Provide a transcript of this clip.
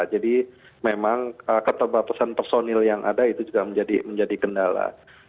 jadi memang keterbatasan personil yang ada itu juga menjadi kendala